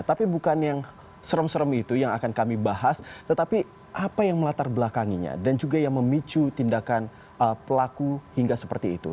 tapi bukan yang serem serem itu yang akan kami bahas tetapi apa yang melatar belakanginya dan juga yang memicu tindakan pelaku hingga seperti itu